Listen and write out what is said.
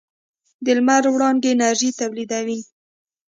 د لمر وړانګې انرژي تولیدوي.